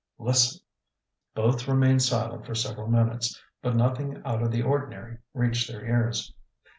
"Listen!" Both remained silent for several minutes, but nothing out of the ordinary reached their ears.